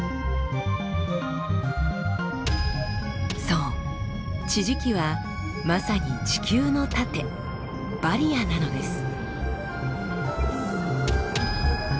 そう地磁気はまさに地球の盾バリアなのです。